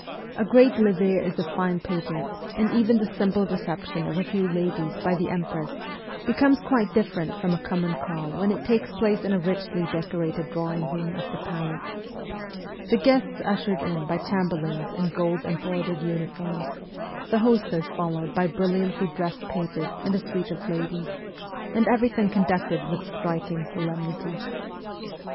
A great levee is a fine pageant, and even the simple reception of a few ladies by the empress becomes quite different from a common call when it takes place in a richly decorated drawing room of the palace the guests ushered by chamberlains in gold embroidered uniforms, the hostess followed by brilliantly dressed pages and a suite of ladies, and every thing conducted with striking solemnity.